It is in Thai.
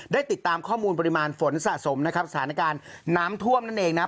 ได้ติดตามข้อมูลปริมาณฝนสะสมนะครับสถานการณ์น้ำท่วมนั่นเองนะครับ